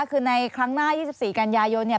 คือในครั้งหน้า๒๔กันยายนเนี่ย